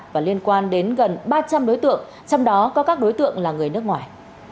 và liên quan đến gần ba trăm linh đối tượng trong đó có các đối tượng là người nước ngoài